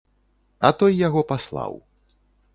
А той яго паслаў.